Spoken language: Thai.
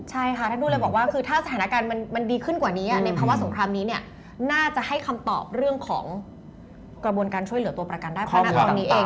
ใช่ค่ะท่านพูดเลยบอกว่าคือถ้าสถานการณ์มันดีขึ้นกว่านี้ในภาวะสงครามนี้เนี่ยน่าจะให้คำตอบเรื่องของกระบวนการช่วยเหลือตัวประกันได้เพราะณตอนนี้เอง